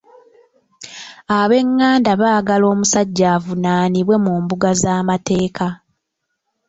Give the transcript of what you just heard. Ab'enganda baagala omusajja avunaanibwe mu mbuga z'amateeka.